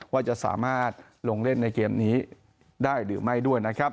ว่าจะสามารถลงเล่นในเกมนี้ได้หรือไม่ด้วยนะครับ